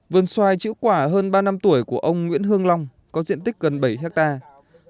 vườn xoài chữ quả hơn ba năm tuổi của ông nguyễn hương long có diện tích gần bảy hectare